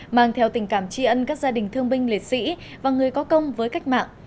mang theo tình cảm tri ân các gia đình thương binh liệt sĩ và người có công với cách mạng